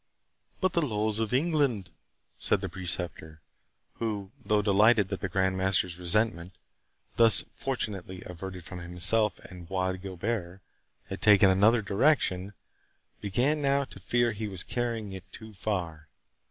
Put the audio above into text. "But the laws of England,"—said the Preceptor, who, though delighted that the Grand Master's resentment, thus fortunately averted from himself and Bois Guilbert, had taken another direction, began now to fear he was carrying it too far.